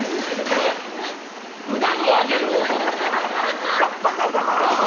札の上げる音です！